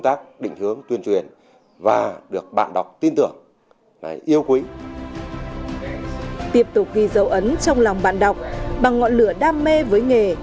tiếp tục ghi dấu ấn trong lòng bạn đọc bằng ngọn lửa đam mê với nghề